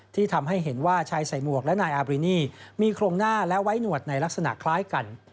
ที่ทำให้เห็นว่าชายใส่หมวกและนายอาบรินีมีโครงหน้าและไว้หนวดในลักษณะคล้ายกัน